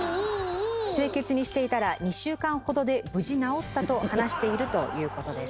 清潔にしていたら２週間ほどで無事治ったと話しているということです。